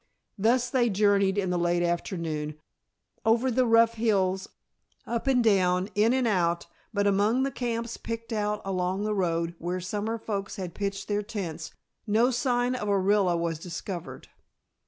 Thus they journeyed in the late afternoon, over the rough hills, up and down, in and out, but among the camps picked out along the road, where summer folks had pitched their tents, no sign of Orilla was discovered.